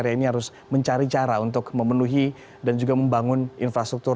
ini lebih baik